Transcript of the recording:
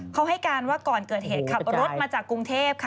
เขาให้การว่าก่อนเกิดเหตุขับรถมาจากกรุงเทพค่ะ